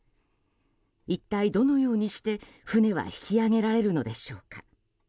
一体どのようにして船は引き揚げられるのでしょうか。